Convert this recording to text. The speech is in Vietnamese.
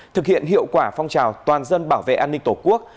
thực hiện hiệu quả phong trào toàn dân bảo vệ an ninh tổ quốc